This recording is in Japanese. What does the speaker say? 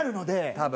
多分。